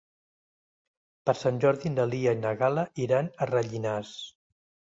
Per Sant Jordi na Lia i na Gal·la iran a Rellinars.